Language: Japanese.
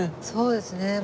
そうですね。